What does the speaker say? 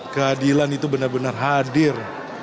keadilan itu benar benar hadir